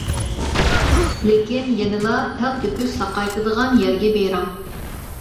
لېكىن يەنىلا تەلتۆكۈس ساقايتىدىغان يەرگە بېرىڭ.